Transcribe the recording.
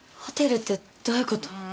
ホテルってどういうこと？